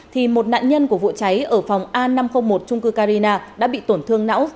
thì một nạn nhân của vụ cháy ở phòng a năm trăm linh một trung cư carina đã bị tổn thương não